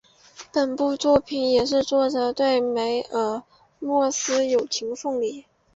这部作品也是作者对梅尔莫兹的友情献礼。